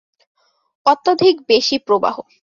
অত্যধিক বেশি প্রবাহ।